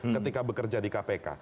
ketika bekerja di kpk